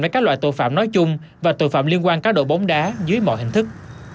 với các loại tội phạm nói chung và tội phạm liên quan cá độ bóng đá dưới mọi hình thức